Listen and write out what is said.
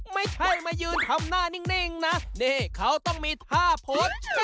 ไม่ใช่มายืนทำหน้านิ่งนะนี่เขาต้องมีท่าโพสต์